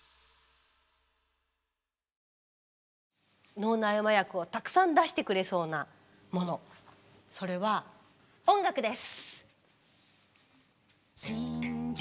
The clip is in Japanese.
脳内麻薬をたくさん出してくれそうなものそれは音楽です！